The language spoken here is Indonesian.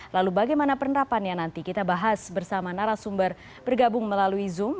lalu bagaimana penerapannya nanti kita bahas bersama narasumber bergabung melalui zoom